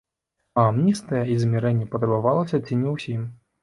А амністыя і замірэнне патрабавалася ці не ўсім.